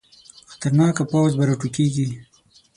خطرناکه پوځ به راوټوکېږي.